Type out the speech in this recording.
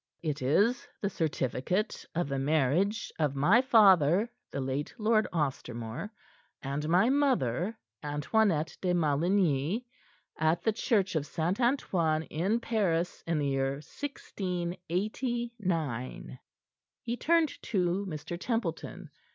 "It is the certificate of the marriage of my father, the late Lord Ostermore, and my mother, Antoinette de Maligny, at the Church of St. Antoine in Paris, in the year 1689." He turned to Mr. Templeton.